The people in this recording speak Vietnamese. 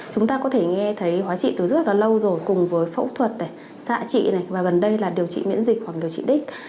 chúng ta có thể nghe thấy hóa trị từ rất là lâu rồi cùng với phẫu thuật này xạ trị này và gần đây là điều trị miễn dịch hoặc điều trị đích